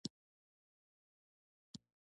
له دې سره له کوټې ووت.